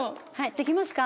できますか？